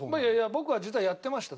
僕は実はやってました